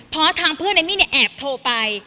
เพราะทางเพื่อนเอมมี่แอบโทรไป